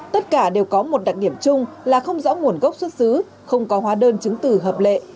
tất cả đều có một đặc điểm chung là không rõ nguồn gốc xuất xứ không có hóa đơn chứng tử hợp lệ